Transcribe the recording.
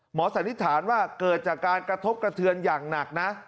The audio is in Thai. สันนิษฐานว่าเกิดจากการกระทบกระเทือนอย่างหนักนะ